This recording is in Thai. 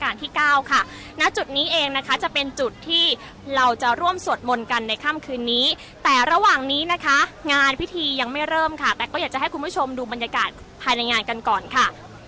ที่เก้าค่ะณจุดนี้เองนะคะจะเป็นจุดที่เราจะร่วมสวดมนต์กันในค่ำคืนนี้แต่ระหว่างนี้นะคะงานพิธียังไม่เริ่มค่ะแต่ก็อยากจะให้คุณผู้ชมดูบรรยากาศภายในงานกันก่อนค่ะ